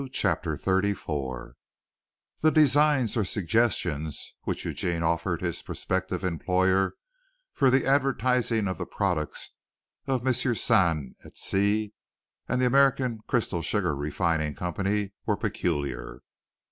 CHAPTER XXXIV The designs or suggestions which Eugene offered his prospective employer for the advertising of the products of M. Sand et Cie and the American Crystal Sugar Refining Company, were peculiar.